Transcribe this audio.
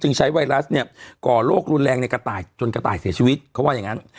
ใช้ไวรัสเนี่ยก่อโรครุนแรงในกระต่ายจนกระต่ายเสียชีวิตเขาว่าอย่างนั้น